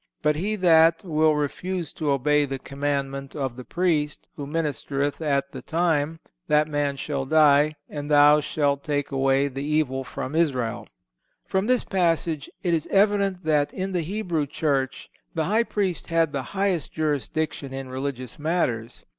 But he that ... will refuse to obey the commandment of the Priest, who ministereth at the time, ... that man shall die, and thou shalt take away the evil from Israel."(153) From this passage it is evident that in the Hebrew Church the High Priest had the highest jurisdiction in religious matters.